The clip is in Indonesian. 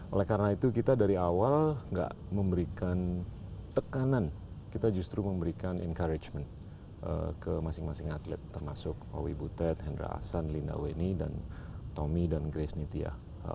oleh karena itu kita dari awal nggak memberikan tekanan kita justru memberikan encouragement ke masing masing atlet termasuk owi butet hendra ahsan linda weni dan tommy dan grace nitya